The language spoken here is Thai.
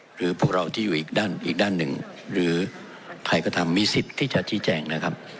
หรือพวกเราที่อยู่อีกด้านอีกด้านหนึ่งหรือใครก็ทำมีสิทธิ์ที่จะชี้แจงนะครับ